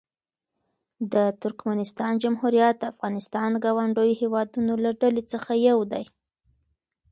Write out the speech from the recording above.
د ترکمنستان جمهوریت د افغانستان ګاونډیو هېوادونو له ډلې څخه یو دی.